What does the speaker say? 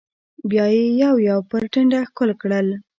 بيا يې يو يو پر ټنډه ښکل کړل.